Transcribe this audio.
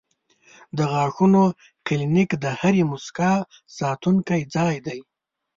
د غاښونو کلینک د هرې موسکا ساتونکی ځای دی.